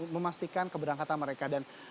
memastikan keberangkatan mereka dan